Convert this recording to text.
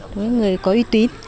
đối với người có uy tín